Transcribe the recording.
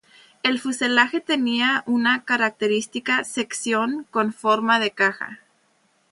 El fuselaje tenía una característica sección con forma de caja.